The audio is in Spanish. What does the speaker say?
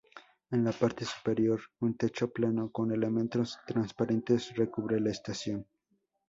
En la parte superior, un techo plano con elementos transparentes recubre la estación.